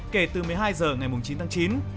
kể từ một mươi hai h ngày chín tháng chín